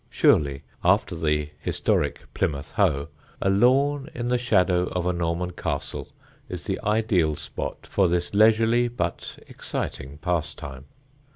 Surely (after the historic Plymouth Hoe) a lawn in the shadow of a Norman castle is the ideal spot for this leisurely but exciting pastime.